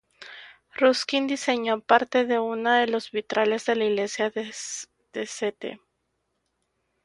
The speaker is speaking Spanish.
Ruskin diseñó parte de una de los vitrales de la iglesia de St.